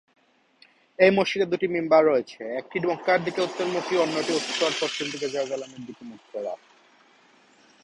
এই মসজিদে দুটি মিহরাব রয়েছে: একটি মক্কার দিকে উত্তরমুখী এবং অন্যটি উত্তর-পশ্চিম দিকে জেরুজালেমের দিকে মুখ করা।